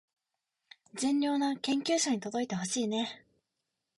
善良な研究者に届いてほしいねー